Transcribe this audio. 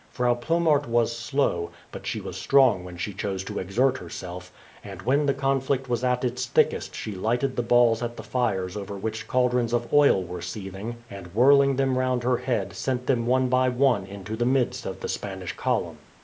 Frau Plomaert was slow, but she was strong when she chose to exert herself, and when the conflict was at its thickest she lighted the balls at the fires over which caldrons of oil were seething, and whirling them round her head sent them one by one into the midst of the Spanish column.